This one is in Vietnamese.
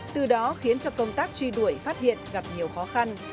từ đó khiến cho công tác truy đuổi phát hiện gặp nhiều khó khăn